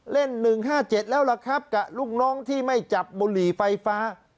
เล่น๑๕๗แล้วล่ะครับกับลูกน้องที่ไม่จับบุหรี่ไฟฟ้า